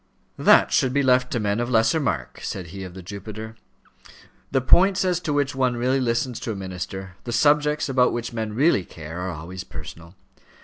"That should be left to men of lesser mark," said he of the Jupiter. "The points as to which one really listens to a minister, the subjects about which men really care, are always personal.